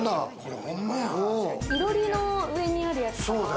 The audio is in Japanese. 囲炉裏の上にあるやつ。